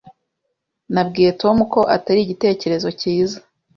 Nabwiye Tom ko atari igitekerezo cyiza.